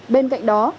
bên cạnh đó